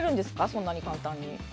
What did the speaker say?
そんなに簡単に。